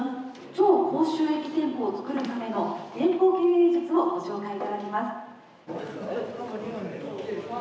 超高収益店舗を作るための店舗経営術をご紹介いただきます。